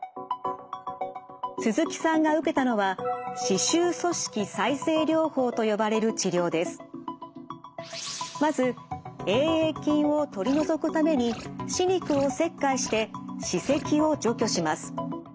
鈴木さんが受けたのはまずＡ．ａ．菌を取り除くために歯肉を切開して歯石を除去します。